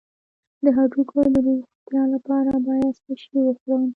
د هډوکو د روغتیا لپاره باید څه شی وخورم؟